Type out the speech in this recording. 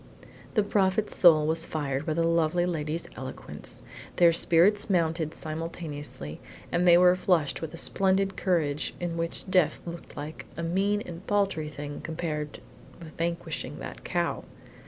The Prophet's soul was fired by the lovely lady's eloquence. Their spirits mounted simultaneously, and they were flushed with a splendid courage in which death looked a mean and paltry thing compared with vanquishing that cow.